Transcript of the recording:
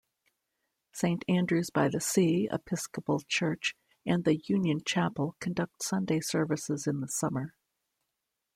Saint Andrew's-by-the-Sea Episcopal Church and the Union Chapel conduct Sunday services in the summer.